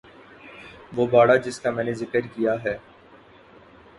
وہ باڑہ جس کا میں نے ذکر کیا ہے